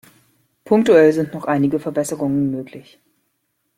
Punktuell sind noch einige Verbesserungen möglich.